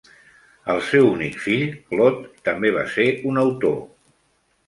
El seu únic fill Claude també va ser un autor.